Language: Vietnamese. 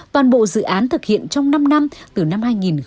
toàn bộ dự án thực hiện trong năm năm từ năm hai nghìn một mươi sáu